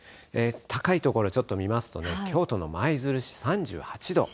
高い所、ちょっと見ますとね、京都の舞鶴市３８度。